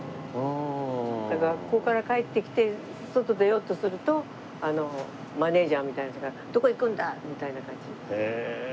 だから学校から帰ってきて外出ようとするとマネジャーみたいな人が「どこ行くんだ」みたいな感じ。へえー！